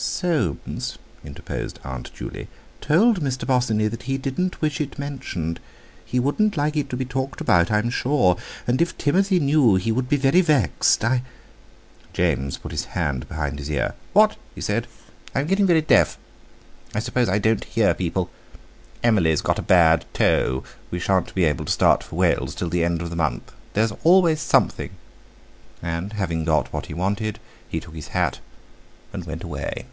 "Soames," interposed Aunt Juley, "told Mr. Bosinney that he didn't wish it mentioned. He wouldn't like it to be talked about, I'm sure, and if Timothy knew he would be very vexed, I...." James put his hand behind his ear: "What?" he said. "I'm getting very deaf. I suppose I don't hear people. Emily's got a bad toe. We shan't be able to start for Wales till the end of the month. There's always something!" And, having got what he wanted, he took his hat and went away.